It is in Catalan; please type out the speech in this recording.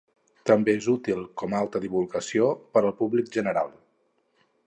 També és útil, com a alta divulgació, per al públic general.